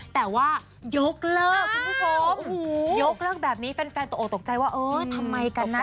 แต่ว่ายกเลิกคุณผู้ชมยกเลิกแบบนี้แฟนตกออกตกใจว่าเออทำไมกันนะ